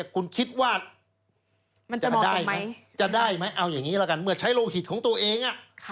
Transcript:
คุณคิดว่าจะได้ไหมเอาอย่างนี้แล้วกันเมื่อใช้โลหิตของตัวเอง